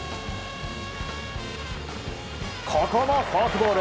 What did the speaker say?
ここもフォークボール！